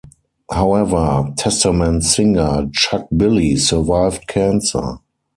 However, Testament's singer, Chuck Billy survived cancer.